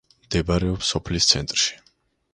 მდებარეობს სოფლის ცენტრში.